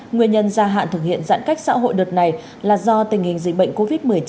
nguyên nhân gia hạn thực hiện giãn cách xã hội đợt này là do tình hình dịch bệnh covid một mươi chín